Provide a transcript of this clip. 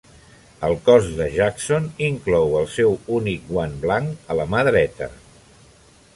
El cos de Jackson inclou el seu únic guant blanc a la mà dreta.